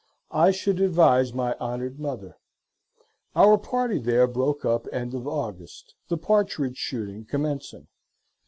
] I should advise my honored Mother. Our party there broke up end of August: the partridge shooting commencing.